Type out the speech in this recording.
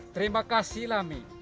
terima kasih lami